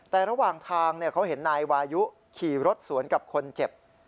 แต่ระหว่างทางเขาเห็นนายวายุขี่รถสวนกับคนเจ็บ